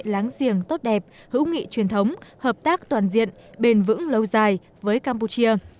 láng giềng tốt đẹp hữu nghị truyền thống hợp tác toàn diện bền vững lâu dài với campuchia